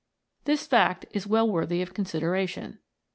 This fact is well worthy of consideration.